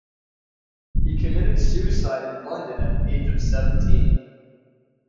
He committed suicide in London at the age of seventeen.